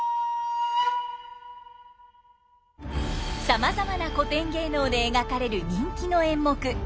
さまざまな古典芸能で描かれる人気の演目「三番叟」。